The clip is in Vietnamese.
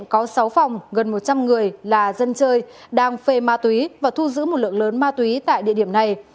có sáu phòng gần một trăm linh người là dân chơi đang phê ma túy và thu giữ một lượng lớn ma túy tại địa điểm này